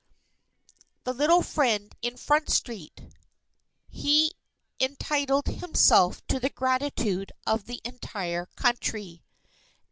THE LITTLE FRIEND IN FRONT STREET _He entitled himself to the gratitude of the entire Country.